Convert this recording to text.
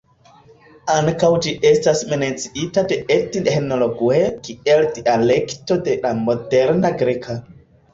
Ankaŭ ĝi estas menciita de "Ethnologue" kiel dialekto de la moderna greka.